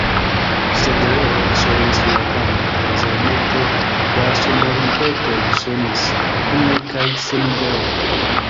Sed ree eksonis la kanto, kvazaŭ multe da sonoriletoj sonis kune kaj seninterrompe.